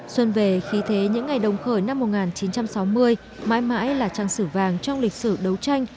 xuân về khi thế những ngày đồng khởi năm một nghìn chín trăm sáu mươi mãi mãi là trang sử vàng trong lịch sử đấu tranh